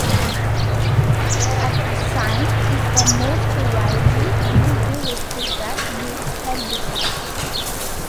Atrazine is the most widely used restricted-use herbicide.